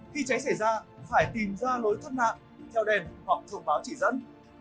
khi cháy xảy ra phải tìm ra lối thoát nạn theo đèn hoặc thông báo chỉ dẫn